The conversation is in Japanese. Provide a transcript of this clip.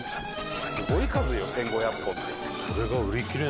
すごい数よ１５００個って。